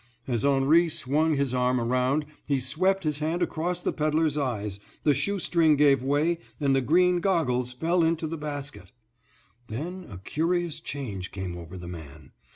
As Henri swung his arm around he swept his hand across the pedler's eyes; the shoe string gave way, and the green goggles fell into the basket. Then a curious change came over the man.